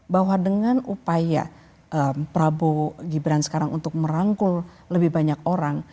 bahwa dengan upaya prabowo gibran sekarang untuk merangkul lebih banyak orang